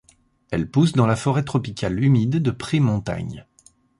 Elle pousse dans la forêt tropicale humide de pré-montagne.